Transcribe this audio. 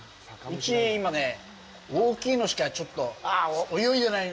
うち、今ね、大きいのしかちょっと、泳いでない。